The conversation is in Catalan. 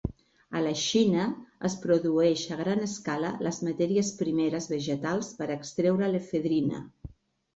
A la Xina es produeix a gran escala les matèries primeres vegetals per extreure l'efedrina.